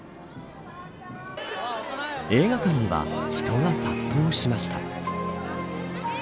映画館には人が殺到しました。